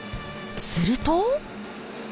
すると。